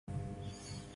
No audio